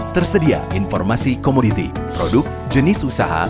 tersedia informasi komoditi produk jenis usaha